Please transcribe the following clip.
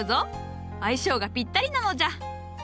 相性がぴったりなのじゃ。